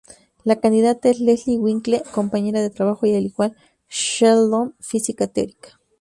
La candidata es Leslie Winkle, compañera de trabajo y al igual Sheldon, física teórica.